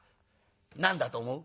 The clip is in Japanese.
「何だと思う？」。